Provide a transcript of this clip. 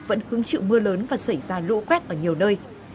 vẫn hứng chịu mưa lớn và xảy ra lũ quét ở nhiều nơi